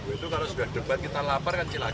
itu kalau sudah debat kita lapar kan cilacap